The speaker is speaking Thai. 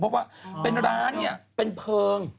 เพราะว่าเป็นร้านเนี่ยเป็นเพลิง